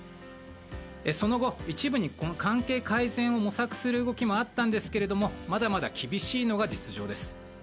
その後、一部に関係改善を模索する動きがあったんですがまだまだ厳しいのが実情です。